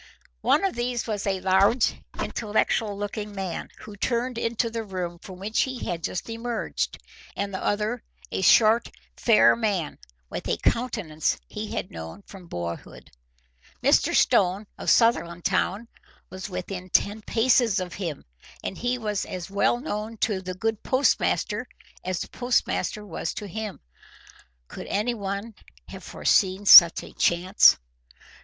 One of these was a large, intellectual looking man, who turned into the room from which he had just emerged, and the other a short, fair man, with a countenance he had known from boyhood. Mr. Stone of Sutherlandtown was within ten paces of him, and he was as well known to the good postmaster as the postmaster was to him. Could anyone have foreseen such a chance!